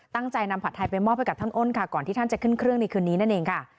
ตั้งใจนำผัดไทยไปมอบให้กับท่านอ้นค่ะก่อนที่ท่านจะขึ้นเครื่องในคืนนี้นั่นเองค่ะ